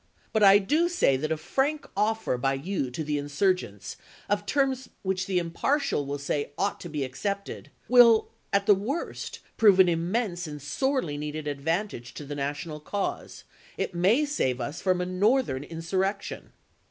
But I do say that a frank offer by you to the insurgents, of terms which the impartial will say ought to be accepted, will, at the worst, prove an immense and sorely needed advantage to the national cause ; it may save us from a Northern insurrection."